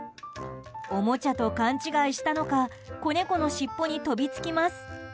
おもちゃと勘違いしたのか子猫のしっぽに飛びつきます。